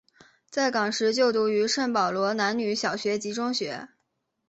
在港时就读于圣保罗男女小学及中学。